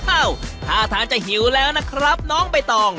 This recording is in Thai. อ้าวถ้าทานจะหิวแล้วนะครับน้องใบตอง